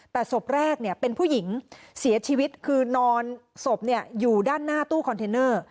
แต่ศพแรกเป็นผู้หญิงเสียชีวิตคือนอนศพอยู่ด้านหน้าตู้คอนเทนเนอร์